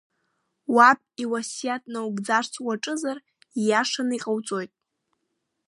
Уаб иуасиаҭ наугӡарц уаҿызар, ииашаны иҟауҵоит.